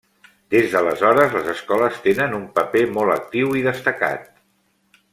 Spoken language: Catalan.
Des d’aleshores, les escoles tenen un paper molt actiu i destacat.